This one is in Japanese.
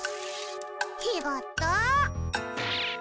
ちがった。